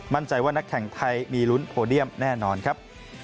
มั่นใจว่านักแข่งไทยมีลุ้นโพเดียมแน่นอนครับ